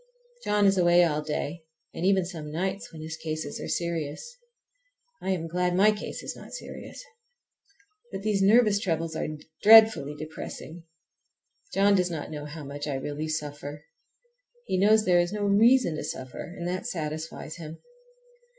John is away all day, and even some nights when his cases are serious. I am glad my case is not serious! But these nervous troubles are dreadfully depressing. John does not know how much I really suffer. He knows there is no reason to suffer, and that satisfies him.